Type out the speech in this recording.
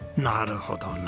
なるほど。